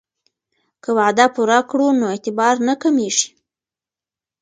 که وعده پوره کړو نو اعتبار نه کمیږي.